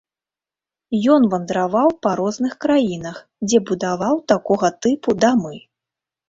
Ён вандраваў па розных краінах, дзе будаваў такога тыпу дамы.